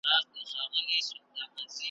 محکمې ته یې مېرمن کړه را حضوره `